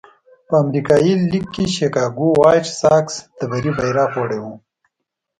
په امریکایي لېګ کې شکاګو وایټ ساکس د بري بیرغ وړی وو.